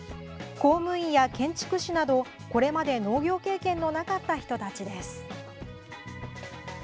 公務員や建築士などこれまで農業経験のなかった人たちです。